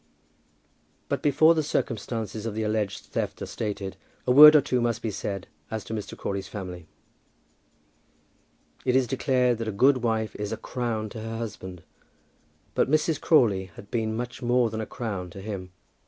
But before the circumstances of the alleged theft are stated, a word or two must be said as to Mr. Crawley's family. It is declared that a good wife is a crown to her husband, but Mrs. Crawley had been much more than a crown to him.